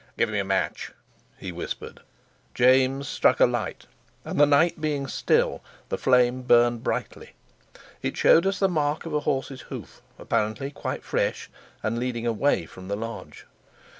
"Give me a match," he whispered. James struck a light, and, the night being still, the flame burnt brightly: it showed us the mark of a horse's hoof, apparently quite fresh, and leading away from the lodge.